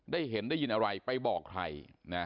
ได้เห็นได้ยินอะไรไปบอกใครนะ